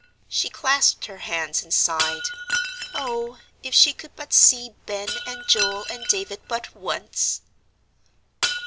She clasped her hands and sighed oh, if she could but see Ben and Joel and David but once!